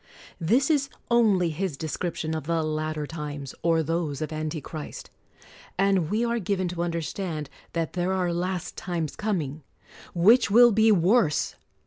This is only his description of the latter times, or those of anti christ; and we are given to understand that there are last times coming, which will be worse